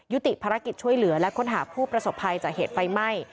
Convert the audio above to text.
ภารกิจช่วยเหลือและค้นหาผู้ประสบภัยจากเหตุไฟไหม้